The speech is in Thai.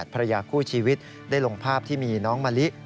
ภรรยาคู่ชีวิตได้ลงภาพที่มีน้องมะลิ